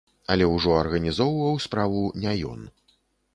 Але ўжо арганізоўваў справу не ён.